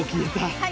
はい。